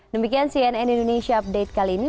demikian cnn indonesia update kali ini